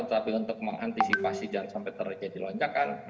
tapi untuk mengantisipasi jangan sampai terjadi lonjakan